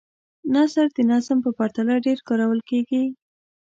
نثر د نظم په پرتله ډېر کارول کیږي.